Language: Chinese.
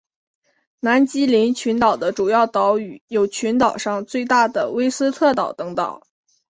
南基林群岛的主要岛屿有群岛上最大的威斯特岛等岛。